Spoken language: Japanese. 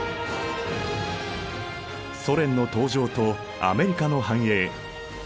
ソ連の登場とアメリカの繁栄。